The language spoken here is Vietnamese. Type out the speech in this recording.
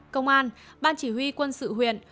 công an ban chỉ huy quân sự huyện